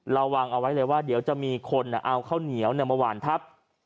ระวังเอาไว้เลยว่าเดี๋ยวจะมีคนเอาข้าวเหนียวมาหวานทับ